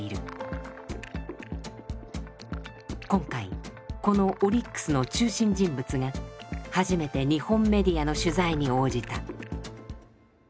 今回このオリックスの中心人物が初めて日本メディアの取材に応じた。